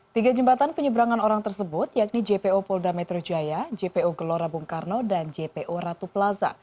tiga jembatan penyeberangan orang tersebut yakni jpo polda metro jaya jpo gelora bung karno dan jpo ratu plaza